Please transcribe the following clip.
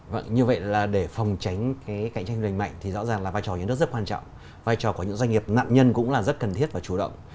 vâng như vậy là để phòng tránh cái cạnh tranh lành mạnh thì rõ ràng là vai trò nhà nước rất quan trọng vai trò của những doanh nghiệp nạn nhân cũng là rất cần thiết và chủ động